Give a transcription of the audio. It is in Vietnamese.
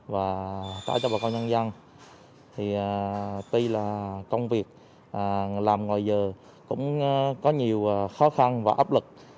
và tại cho bà con nhân dân thì tuy là công việc làm ngoài giờ cũng có nhiều khó khăn và áp lực